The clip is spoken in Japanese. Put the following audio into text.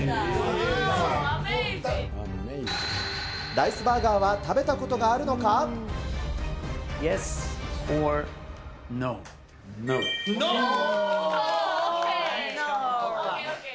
ライスバーガーは食べたことがあるのか。ＯＫ。